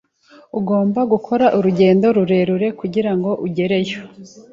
Ugomba gukora urugendo rurerure kugirango ugereyo.